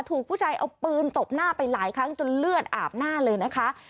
ถูกผู้ชายเอาปืนตบหน้าไปหลายครั้งจนเลือดอาบหน้าเลยนะคะ